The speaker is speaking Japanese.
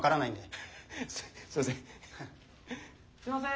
すいません